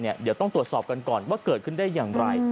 เดี๋ยวต้องตรวจสอบกันก่อนว่าเกิดขึ้นได้อย่างไร